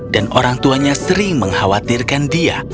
dan orang tuanya sering mengkhawatirkan dia